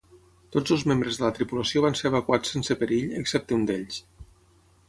Tots els membres de la tripulació van ser evacuats sense perill, excepte un d'ells.